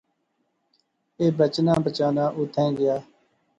اہ بچنا بچانا اوتھیں گیا